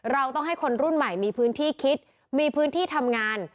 เราต้องให้คนรุ่นใหม่มีพื้นที่คิดมีพื้นที่ทำงาน